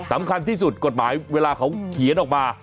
สำคัญที่สุดกฎหมายเวลาเขาเขียนออกมา